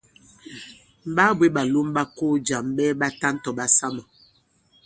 M̀ ɓaa bwě ɓàlom ɓa ko jàm ɓɛɛ ɓatan tɔ̀ ɓasamà.